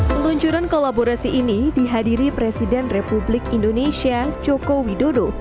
peluncuran kolaborasi ini dihadiri presiden republik indonesia joko widodo